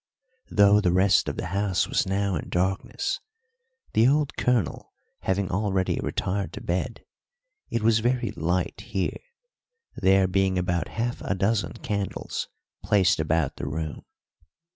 Though the rest of the house was now in darkness, the old colonel having already retired to bed, it was very light here, there being about half a dozen candles placed about the room.